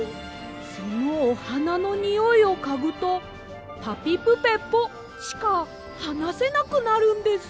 そのおはなのにおいをかぐと「ぱぴぷぺぽ」しかはなせなくなるんです。